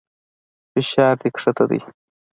فشار دې کښته دى.